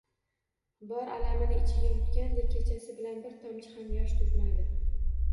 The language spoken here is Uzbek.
Bor alamini ichiga yutgandek kechasi bilan bir tomchi ham yosh to`kmadi